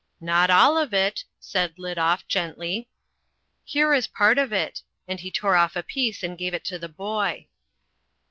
"Not all of it," said Liddoff gently. "Here is part of it," and he tore off a piece and gave it to the boy.